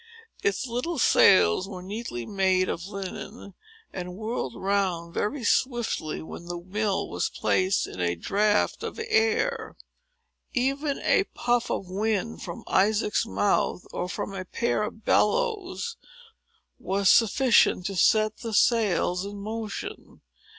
Its little sails were neatly made of linen, and whirled round very swiftly when the mill was placed in a draught of air. Even a puff of wind from Isaac's mouth, or from a pair of bellows, was sufficient to set the sails in motion.